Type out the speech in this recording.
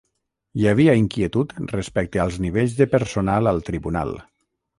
Hi havia inquietud respecte als nivells de personal al tribunal.